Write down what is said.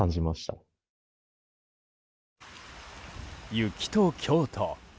雪と京都。